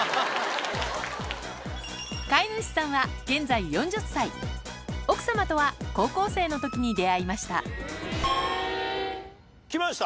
飼い主さんは奥さまとは高校生の時に出会いましたきました